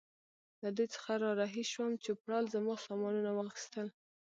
له دوی څخه را رهي شوم، چوپړوال زما سامانونه واخیستل.